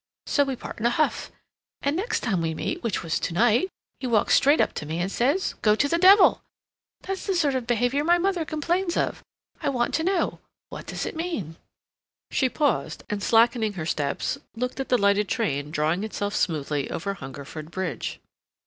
So we part in a huff; and next time we meet, which was to night, he walks straight up to me, and says, 'Go to the Devil!' That's the sort of behavior my mother complains of. I want to know, what does it mean?" She paused and, slackening her steps, looked at the lighted train drawing itself smoothly over Hungerford Bridge.